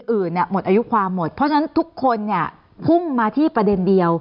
อื่นเนี่ยหมดอายุความหมดเพราะฉะนั้นทุกคนเนี่ยพุ่งมาที่ประเด็นเดียว